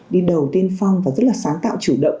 đi đầu tiên phong và rất là sáng tạo chủ động